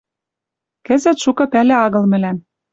Кӹзӹт шукы пӓлӹ агыл мӹлӓм